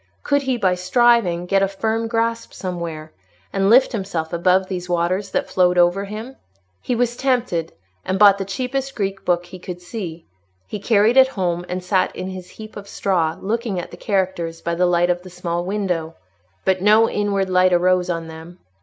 Could he, by striving, get a firm grasp somewhere, and lift himself above these waters that flowed over him? He was tempted, and bought the cheapest Greek book he could see. He carried it home and sat on his heap of straw, looking at the characters by the light of the small window; but no inward light arose on them.